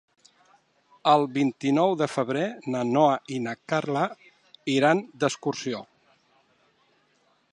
El vint-i-nou de febrer na Noa i na Carla iran d'excursió.